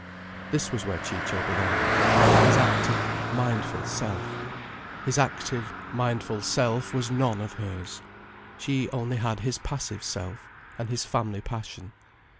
This was where Ciccio belonged: his active, mindful self. His active, mindful self was none of hers. She only had his passive self, and his family passion.